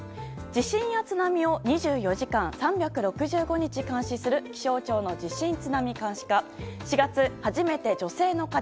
地震や津波を２４時間３６５日監視する気象庁の地震津波監視課。